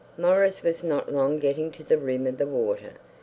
Maurice was not long getting to the rim of the water.